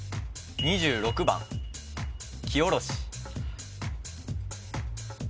２６番きおろし